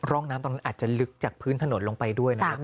ร่องน้ำตอนนั้นอาจจะลึกจากพื้นถนนลงไปด้วยนะครับ